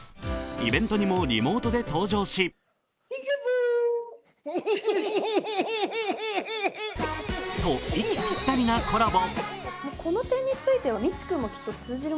イベントにもリモートで登場しと、息ぴったりなコラボ。